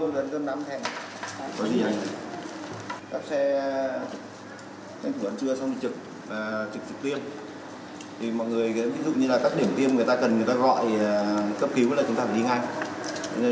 ví dụ như là các điểm tiêm người ta cần người ta gọi thì cấp cứu là chúng ta phải đi ngay